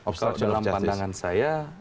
kalau dalam pandangan saya